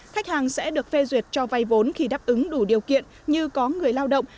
khách hàng sẽ được phê duyệt cho vay vốn khi đáp ứng đủ điều kiện như có người lao động